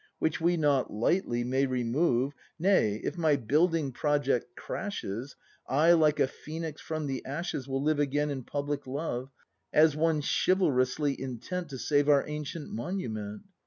Which we not lightly may remove. Nay, if my building project crashes, I, like a Phoenix from the ashes, W^ill live again in public love. As one chivalrously intent To save our ancient monument!